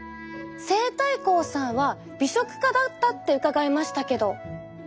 西太后さんは美食家だったって伺いましたけど。